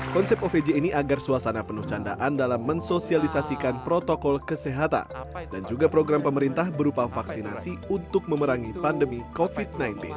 konsep ovj ini agar suasana penuh candaan dalam mensosialisasikan protokol kesehatan dan juga program pemerintah berupa vaksinasi untuk memerangi pandemi covid sembilan belas